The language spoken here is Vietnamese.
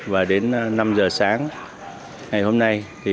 và đến năm giờ sáng ngày hôm nay